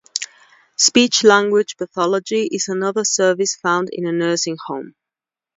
Speech-language pathology is another service found in a nursing home.